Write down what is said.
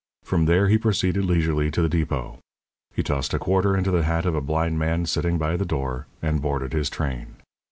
From there he proceeded leisurely to the depot. He tossed a quarter into the hat of a blind man sitting by the door, and boarded his train.